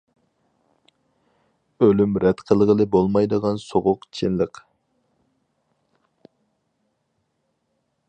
ئۆلۈم رەت قىلغىلى بولمايدىغان سوغۇق چىنلىق.